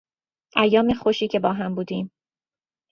ایام خوشی که با هم بودیم